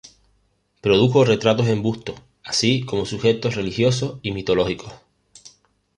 Produjo retratos en busto así como sujetos religiosos y mitológicos.